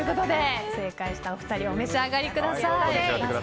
正解したお二人お召し上がりください。